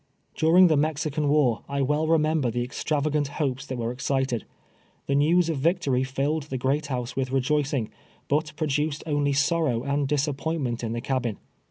During the jNIexican war I well remember the ex travagant liopes that were excited. The news of vie torj filled the great house with rejoicing, but pro duced only sorrow and disappointment in the cabin.